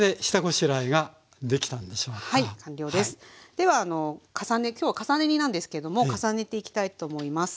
では今日は重ね煮なんですけども重ねていきたいと思います。